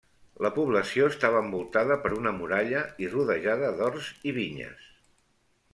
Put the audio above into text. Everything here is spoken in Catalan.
La població estava envoltada per una muralla, i rodejada d'horts i vinyes.